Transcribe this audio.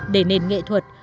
để nền nghệ thuật